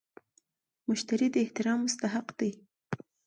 مشتري د احترام مستحق دی.